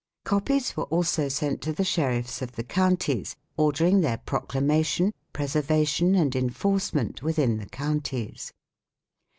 Copies were also sent to the sheriffs of the counties, ordering their proclamation, preserva tion, and enforcement, within the counties.